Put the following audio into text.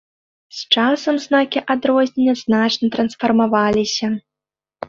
З часам знакі адрознення значна трансфармаваліся.